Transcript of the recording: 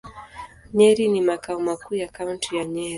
Nyeri ni makao makuu ya Kaunti ya Nyeri.